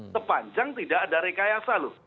sepanjang tidak ada rekayasa loh